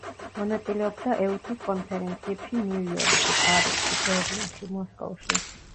მონაწილეობდა ეუთოს კონფერენციებში ნიუ-იორკში, პარიზში, ბერლინში, მოსკოვში.